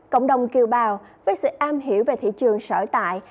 cộng đồng kiều bào với sự am hiểu về thị trường sở tại